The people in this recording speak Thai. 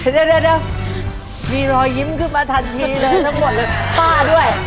เดี๋ยวเดี๋ยวเดี๋ยวมีรอยยิ้มขึ้นมาทันทีเลยทั้งหมดเลยป้าด้วย